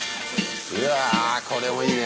うわこれもいいね。